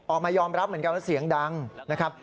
ออกมายอมรับเหมือนกันว่าเสียงดังนะครับ